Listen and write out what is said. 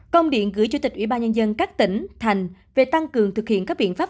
công điện gửi chủ tịch ủy ban nhân dân các tỉnh thành về tăng cường thực hiện các biện pháp